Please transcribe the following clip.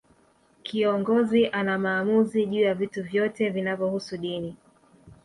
Kiongozi ana maamuzi juu ya vitu vyote vinavyohusu dini